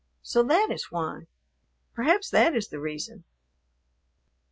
So that is why." Perhaps that is the reason.